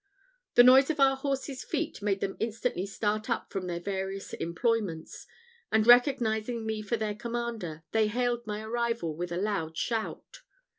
The noise of our horses' feet made them instantly start up from their various employments; and, recognising me for their commander, they hailed my arrival with a loud shout.